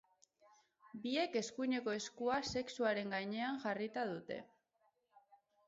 Biek eskuineko eskua sexuaren gainean jarrita dute.